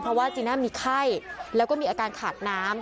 เพราะว่าจีน่ามีไข้แล้วก็มีอาการขาดน้ำ